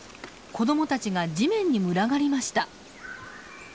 子どもたちが地面に群がりました。